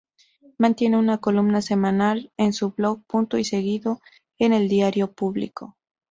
Mantiene una columna semanal en su blog "Punto y Seguido" en el diario Público.